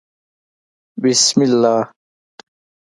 _بسم الله.